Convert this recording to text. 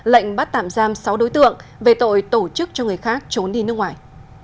lệnh bắt tạm giam sáu đối tượng về tội tổ chức cho người khác trốn đi nước ngoài